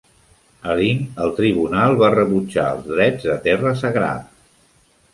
A Lyng, el tribunal va rebutjar els drets de terra sagrada.